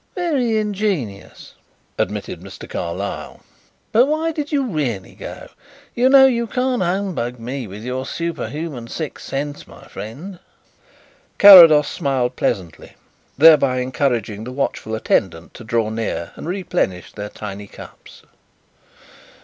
"Very ingenious," admitted Mr. Carlyle, "but why did you really go? You know you can't humbug me with your superhuman sixth sense, my friend." Carrados smiled pleasantly, thereby encouraging the watchful attendant to draw near and replenish their tiny cups.